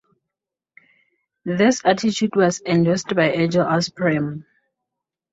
This attitude was endorsed by Egil Asprem.